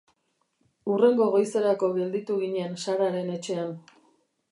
Hurrengo goizerako gelditu ginen Sararen etxean.